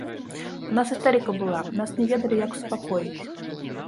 У нас істэрыка была, нас не ведалі, як супакоіць.